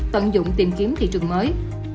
tận dụng tìm kiếm thị trường mới